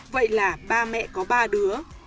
vậy là ba mẹ có ba đứa